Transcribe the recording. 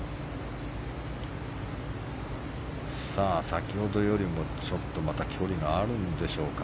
先ほどよりもちょっとまた距離があるんでしょうか。